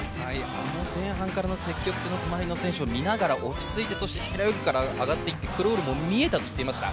あの前半から隣の選手を見ながら落ち着いて、平泳ぎから上がってクロールも見えていたといっていました。